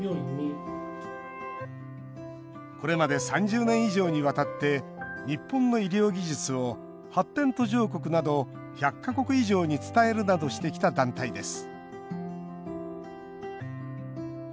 これまで３０年以上にわたって日本の医療技術を発展途上国など１００か国以上に伝えるなどしてきた団体です